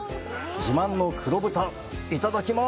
自慢の黒豚、いただきます！